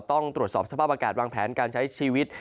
ต้องตรวจสอบสภาพอากาศวางแผนการใช้ชีวิต